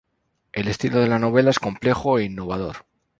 El estilo de la novela es complejo e innovador.